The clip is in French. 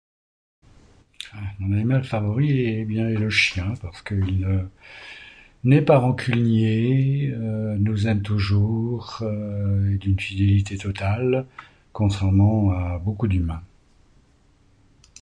Mon animal favori, hé bien, est le chien parce que il n'est pas rancunier, nous aime toujours, est d'une fidélité totale contrairement à beaucoup d'humains.